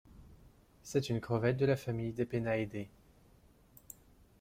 C'est une crevette de la famille des Penaeidae.